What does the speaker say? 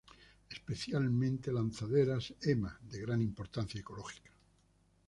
Especialmente lanzaderas ema, de gran importancia ecológica.